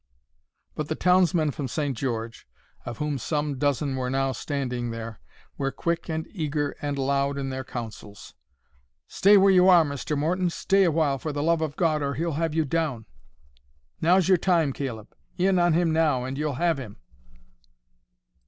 But the townsmen from St. George, of whom some dozen were now standing there, were quick and eager and loud in their counsels. "Stay where you are, Mr. Morton,—stay awhile for the love of God—or he'll have you down." "Now's your time, Caleb; in on him now, and you'll have him."